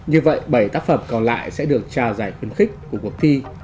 như vậy bảy tác phẩm còn lại sẽ được trao giải khuyến khích của cuộc thi